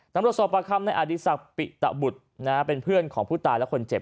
นำรถสวปครรภ์ในอดิสักปิตะบุตรเป็นเพื่อนของผู้ตายและคนเจ็บ